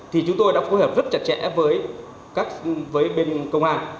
thì chúng tôi đã phối hợp rất chặt chẽ với bên công an